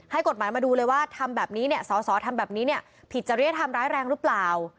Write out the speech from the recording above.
ให้กฎหมายมาดูเลยว่าทำแบบนี้สศทำแบบนี้ผิดจริยธรรมร้ายแรงรึเปล่า